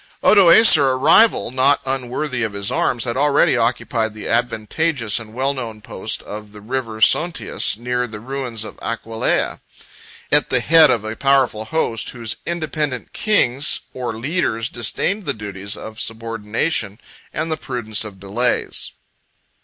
] Odoacer, a rival not unworthy of his arms, had already occupied the advantageous and well known post of the River Sontius, near the ruins of Aquileia, at the head of a powerful host, whose independent kings 18 or leaders disdained the duties of subordination and the prudence of delays.